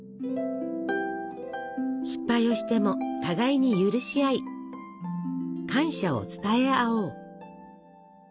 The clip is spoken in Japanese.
失敗をしても互いに許し合い感謝を伝え合おう。